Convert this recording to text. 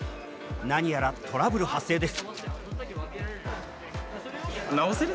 何やらトラブル発生です。